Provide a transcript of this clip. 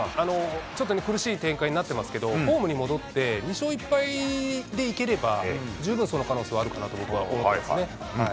ちょっとね、苦しい展開になってますけど、ホームに戻って２勝１敗でいければ、十分その可能性はあるかなと僕は思ってますね。